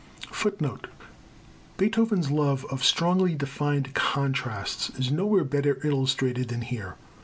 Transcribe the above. [I] [I] Beethoven's love of strongly defined contrasts is nowhere better illustrated than here.